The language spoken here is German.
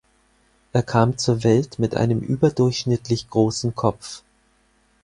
Er kam zur Welt mit einem überdurchschnittlich großen Kopf.